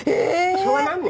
「昭和何年？